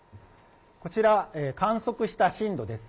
こちら、観測した震度です。